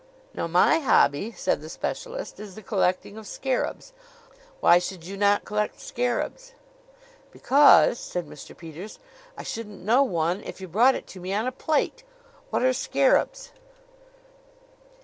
"Now my hobby," said the specialist, "is the collecting of scarabs. Why should you not collect scarabs?" "Because," said Mr. Peters, "I shouldn't know one if you brought it to me on a plate. What are scarabs?"